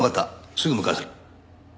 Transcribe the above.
すぐ向かわせる。